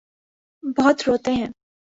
بہت روتے ہیں۔